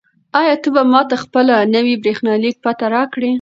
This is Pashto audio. آیا ته به ماته خپله نوې بریښنالیک پته راکړې؟